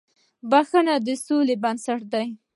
• بښنه د سولې بنسټ دی.